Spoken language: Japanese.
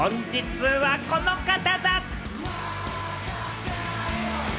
本日はこの方！